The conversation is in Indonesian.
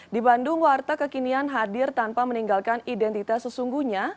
di bandung warteg kekinian hadir tanpa meninggalkan identitas sesungguhnya